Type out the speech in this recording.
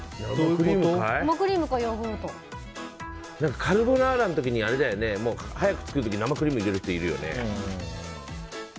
カルボナーラの時にあれだよね早く作る時に生クリーム入れる人いるよね。